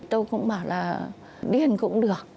tôi cũng bảo là điên cũng được